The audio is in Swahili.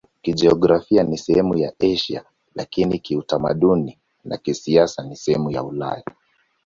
Kijiografia ni sehemu ya Asia, lakini kiutamaduni na kisiasa ni sehemu ya Ulaya.